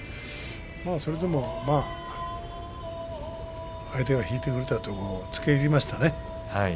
それでもまあ相手が引いてくれたところをつけいりましたね。